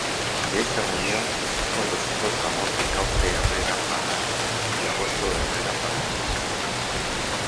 De esa unión existen los hijos Ramón Ricaurte Herrera Pagán y Agosto Herrera Pagán.